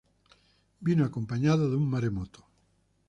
Vino acompañado de un maremoto.